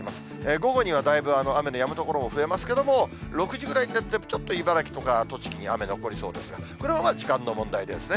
午後にはだいぶ雨のやむ所も増えますけども、６時ぐらいになっても、ちょっと茨城とか栃木に雨残りそうですが、これはまあ、時間の問題ですね。